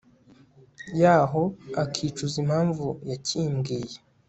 yaho akicuza impamvu yakimbwiye